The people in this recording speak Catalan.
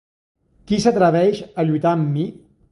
Qui s'atreveix a lluitar amb mi?